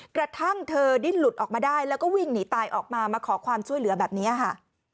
กระทั่งเธอดิ้นหลุดออกมาได้แล้วก็วิ่งหนีตายออกมามาขอความช่วยเหลือแบบนี้ค่ะ